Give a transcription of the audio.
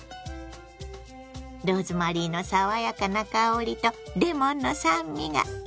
ローズマリーの爽やかな香りとレモンの酸味が野菜に合うわ。